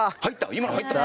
今の入った？